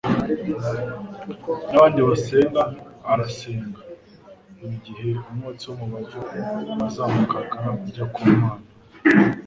n'abandi basenga, arasenga mu gihe umwotsi w'umubavu wazamukaga ujya ku Mana.